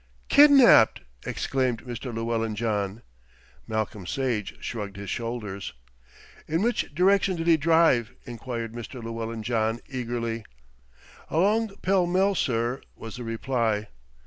"Kidnapped!" exclaimed Mr. Llewellyn John. Malcolm Sage shrugged his shoulders. "In which direction did he drive?" enquired Mr. Llewellyn John eagerly. "Along Pall Mall, sir," was the reply.